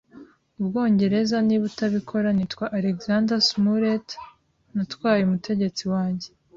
Ubwongereza. Niba utabikora, nitwa Alexander Smollett, Natwaye umutegetsi wanjye